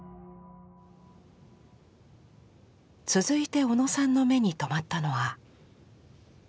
続いて小野さんの目に留まったのは。